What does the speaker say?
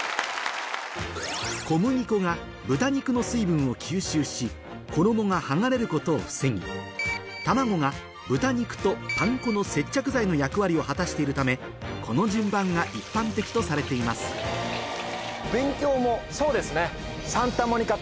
小麦粉が豚肉の水分を吸収し衣が剥がれることを防ぎ卵が豚肉とパン粉の接着剤の役割を果たしているためこの順番が一般的とされていますそうですね。